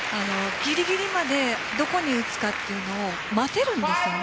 ぎりぎりまでどこに打つかというのを待てるんですよね